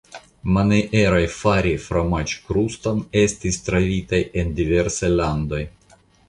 Manieroj fari fromaĝkruston estis trovitaj en diversaj landoj.